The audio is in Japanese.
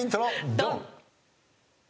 ドン！